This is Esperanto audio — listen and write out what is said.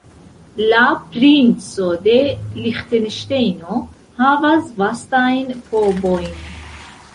La Princo de Liĥtenŝtejno havas vastajn povojn.